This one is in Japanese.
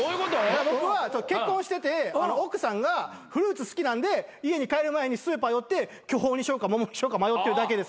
僕は結婚してて奥さんがフルーツ好きなんで家に帰る前にスーパー寄って巨峰にしようか桃にしようか迷ってるだけです。